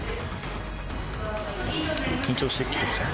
緊張して来てません？